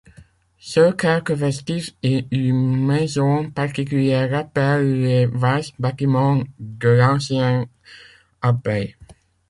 Seuls quelques vestiges et une maison particulière rappellent les vastes bâtiments de l'ancienne abbaye.